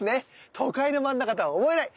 都会の真ん中とは思えない。